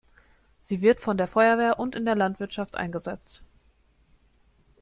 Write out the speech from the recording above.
Sie wird von der Feuerwehr und in der Landwirtschaft eingesetzt.